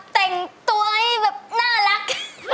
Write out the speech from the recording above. แต่งตัวให้แบบน่ารัก